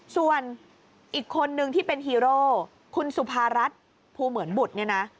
ส่วนอีกคนนึงที่เป็นฮีโร่คุณสุภารัฐภูเหมือนบุตรเนี่ยนะ